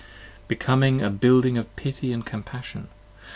Becoming a building of pity and compassion?